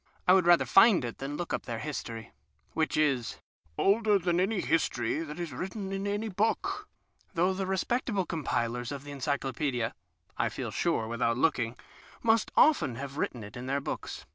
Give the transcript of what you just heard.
I would rather find it than look up their history, which is " older than any history that is written in any book," though the respectable compilers of Encyclopaedias (I feel sure without looking) must often have written it in their books.